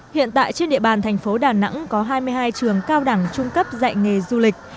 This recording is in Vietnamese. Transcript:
hiện tại trên địa bàn thành phố đà nẵng có hai mươi hai trường cao đẳng trung cấp dạy nghề du lịch